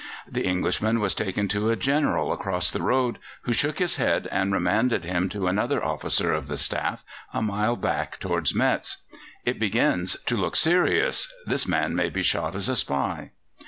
The Englishman was taken to a General across the road, who shook his head and remanded him to another officer of the staff, a mile back towards Metz. It begins to look serious; this man may be shot as a spy.